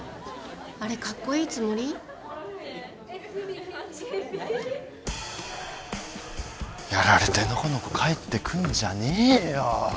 あれカッコイイつもり？やられてのこのこ帰ってくんじゃねえよ。